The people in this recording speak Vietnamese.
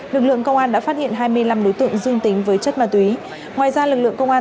lực lượng công an đã phát hiện hai mươi năm đối tượng dương tính với chất ma túy ngoài ra lực lượng công an